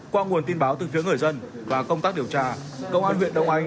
qua nguồn tin báo từ phía người dân và công tác điều tra công an huyện đông anh